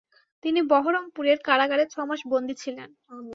তিনি বহরমপুরের কারাগারে ছ-মাস বন্দি ছিলেন।